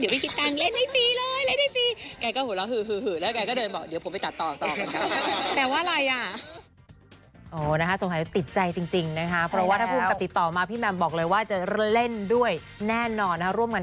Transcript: เดี๋ยวไปกินตังค์เล่นให้ฟรีเลยเล่นให้ฟรี